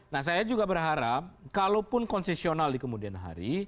nah saya juga berharap kalaupun konsesional di kemudian hari